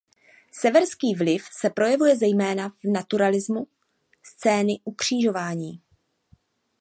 Severský vliv se projevuje zejména v naturalismu scény Ukřižování.